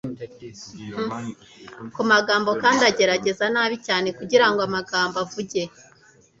Ku magambo, kandi agerageza nabi cyane kugirango amagambo avuge